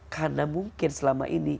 karena mungkin selama ini